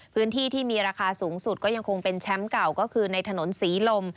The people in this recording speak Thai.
พื้นที่ที่มีราคาสูงสุดก็ยังคงเป็นแชมป์เก่าก็คือในถนนศรีลม